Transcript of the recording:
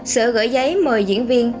sở gửi giấy mời diễn viên